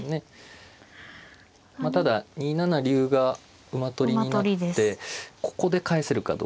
まあただ２七竜が馬取りになってここで返せるかどうか。